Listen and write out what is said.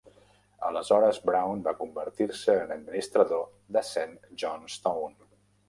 Aleshores Brown va convertir-se en administrador de Saint Johnstone.